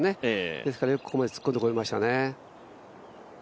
ですからよくここ突っ込んでこれましたね。